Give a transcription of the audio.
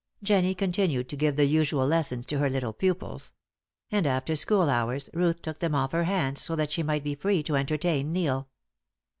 Jennie continued to give the usual lessons to her little pupils; and after school hours Ruth took them off her hands, so that she might be free to entertain Neil.